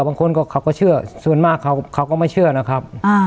บางคนเขาก็เชื่อส่วนมากเขาก็ไม่เชื่อนะครับ